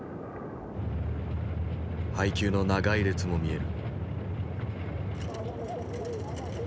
配給の長い列も見える。